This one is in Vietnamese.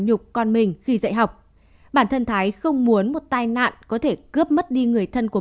nhục con mình khi dạy học bản thân thái không muốn một tai nạn có thể cướp mất đi người thân của